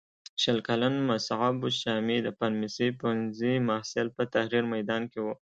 شل کلن مصعب الشامي د فارمسۍ پوهنځي محصل په تحریر میدان کې و.